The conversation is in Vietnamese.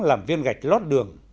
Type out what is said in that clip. làm viên gạch lót đường